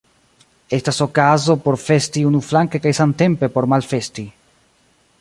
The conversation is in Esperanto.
Estas okazo por festi unuflanke kaj samtempe por malfesti.